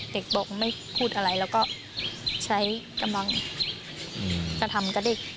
เด็กบอกไม่พูดอะไรแล้วก็ใช้กำลังจะทำกับเด็ก